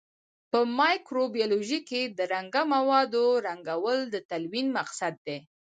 په مایکروبیولوژي کې د رنګه موادو رنګول د تلوین مقصد دی.